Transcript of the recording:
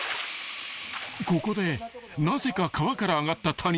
［ここでなぜか川から上がった谷田］